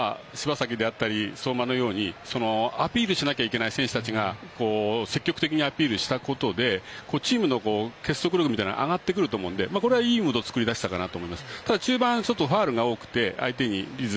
その中で柴崎であったり相馬のようにアピールしなきゃいけない選手たちが積極的にアピールしたことでチームの結束力が上がってくると思うのでこれはいいムードを作り出したかなと思います。